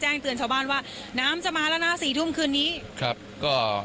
เตือนชาวบ้านว่าน้ำจะมาแล้วนะสี่ทุ่มคืนนี้ครับก็